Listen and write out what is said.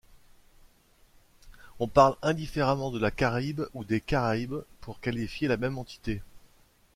On parle indifféremment de la Caraïbe ou des Caraïbes pour qualifier la même entité.